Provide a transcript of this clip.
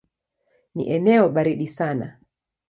Ni eneo baridi sana.